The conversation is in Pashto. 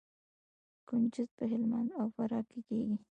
کنجد په هلمند او فراه کې کیږي.